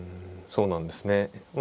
そうなんですね。